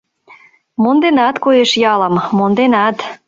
— Монденат, коеш, ялым, монденат.